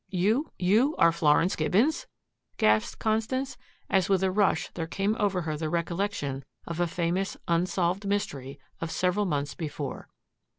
"You you are Florence Gibbons!" gasped Constance as with a rush there came over her the recollection of a famous unsolved mystery of several months before.